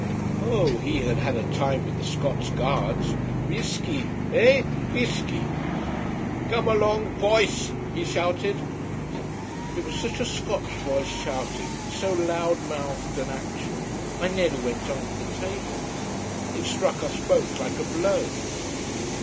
Oh, he had had a time with the Scots Guards. Wheesky eh? Wheesky. "Come along bhoys!" he shouted. And it was such a Scotch voice shouting, so loud mouthed and actual, I nearly went under the table. It struck us both like a blow.